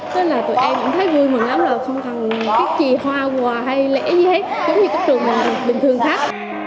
thế là tụi em cũng thấy vui mừng lắm là không thằng cái trì hoa quà hay lễ gì hết giống như các trường bình thường khác